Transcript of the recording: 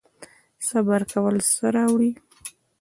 صبر کول څه راوړي؟